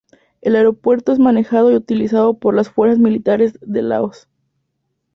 El aeropuerto es manejado y utilizado por las fuerzas militares de Laos.